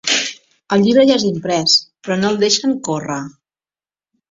El llibre ja és imprès, però no el deixen córrer.